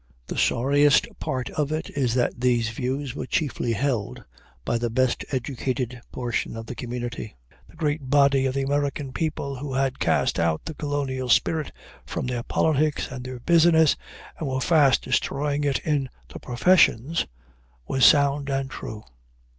The sorriest part of it is that these views were chiefly held by the best educated portion of the community. The great body of the American people, who had cast out the colonial spirit from their politics and their business, and were fast destroying it in the professions, was sound and true.